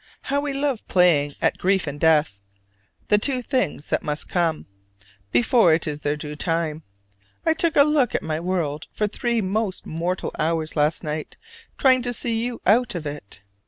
How we love playing at grief and death the two things that must come before it is their due time! I took a look at my world for three most mortal hours last night, trying to see you out of it.